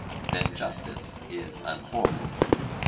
'Then justice is unholy.'